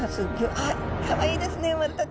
あっかわいいですね産まれたて。